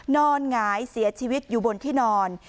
หงายเสียชีวิตอยู่บนที่นอน